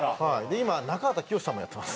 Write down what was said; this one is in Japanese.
今中畑清さんもやってます。